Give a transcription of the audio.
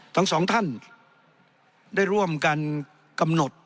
ทั้งสองท่านได้ร่วมกันกำหนด